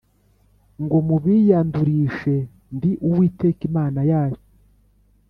ngo mubiyandurishe Ndi Uwiteka Imana yanyu